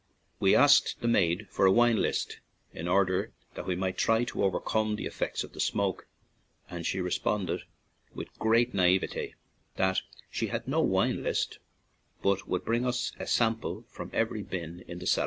We asked the maid for a wine list, in order that we might try to overcome the effect of the smoke, and she responded, with great naivete, that she had no wine list, but would bring us a sample from every bin in the cellar.